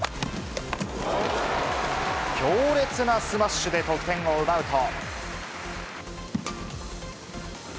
強烈なスマッシュで得点を奪うと。